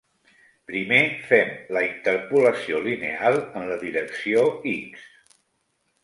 Primer, fem la interpolació lineal en la direcció "x".